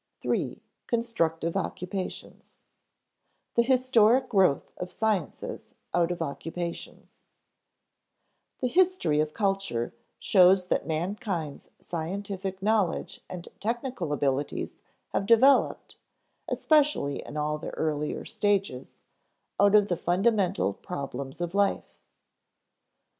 § 3. Constructive Occupations [Sidenote: The historic growth of sciences out of occupations] The history of culture shows that mankind's scientific knowledge and technical abilities have developed, especially in all their earlier stages, out of the fundamental problems of life.